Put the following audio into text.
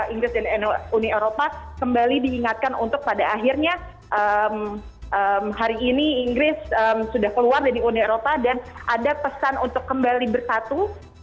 inggris dan uni eropa kembali diingatkan untuk pada akhirnya hari ini inggris sudah keluar dari uni eropa dan ada pesan untuk kembali bersatu